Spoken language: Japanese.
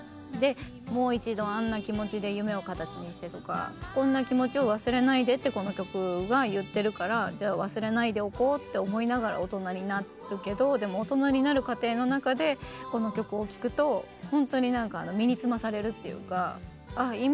でもう一度あんな気持ちで夢を形にしてとかこんな気持ちを忘れないでってこの曲が言ってるからじゃあ忘れないでおこうって思いながら大人になるけどでも大人になる過程の中でこの曲を聴くと本当に何か身につまされるっていうかああ